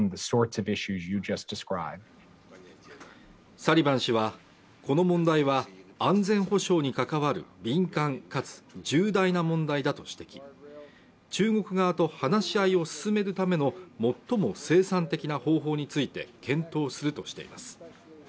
サリバン氏は、この問題は、安全保障に関わる敏感かつ重大な問題だと指摘、中国側と話し合いを進めるための最も生産的な方法について検討するとしています。